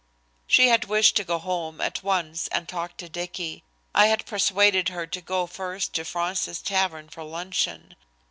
She had wished to go home at once and talk to Dicky. I had persuaded her to go first to Fraunces's Tavern for luncheon.